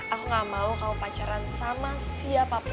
aku gak mau kamu pacaran sama siapapun